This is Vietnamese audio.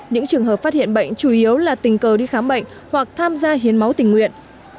những trường hợp phát hiện bệnh chủ yếu là tình cờ đi khám bệnh hoặc tham gia hiến máu tình nguyện